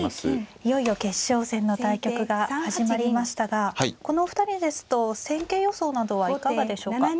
いよいよ決勝戦の対局が始まりましたがこのお二人ですと戦型予想などはいかがでしょうか。